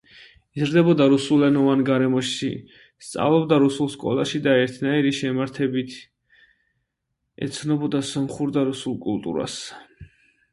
იზრდებოდა რუსულენოვან გარემოში, სწავლობდა რუსულ სკოლაში და ერთნაირი შემართებით ეცნობოდა სომხურ და რუსულ კულტურას.